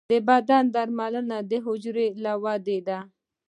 د بدن درملنه د حجرو له ودې ده.